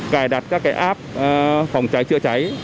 cài đặt các cái app phòng cháy chữa cháy